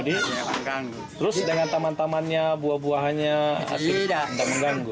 terus dengan taman tamannya buah buahnya tidak mengganggu